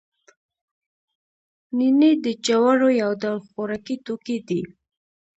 نینې د جوارو یو ډول خوراکي توکی دی